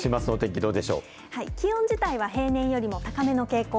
気温自体は平年よりも高めの傾向。